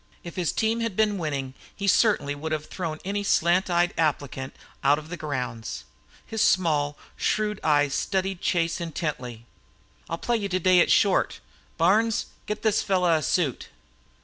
If his team had been winning he certainly would have thrown any slant eyed applicant out of the grounds. His small, shrewd eyes studied Chase intently. "I'll play you at short today. Barnes, get this fellow a suit."